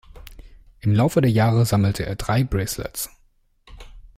Im Laufe der Jahre sammelte er drei Bracelets.